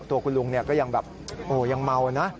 ตัวคุณลุงก็ยังแบบยังเมานะ